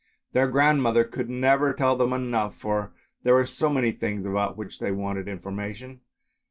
Their grandmother could never tell them enough, for there were so many things about which they wanted information.